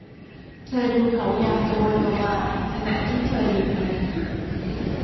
เธอดูเขาอย่างกระวนกระวายขณะที่เธอหยิบมัน